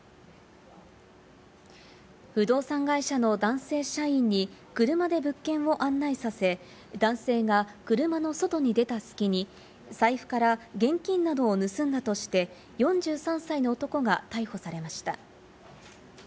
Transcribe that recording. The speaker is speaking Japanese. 不動産会社の男性社員に車で物件を案内させ、男性が車の外に出た隙に財布から現金などを盗んだとして４３歳の男が逮捕されました。